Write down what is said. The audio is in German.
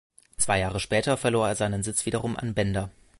Zwei Jahre später verlor er seinen Sitz wiederum an Bender.